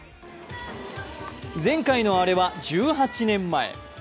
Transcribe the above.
前回のアレは１８年前。